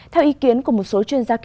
theo ý kiến của một số chuyên gia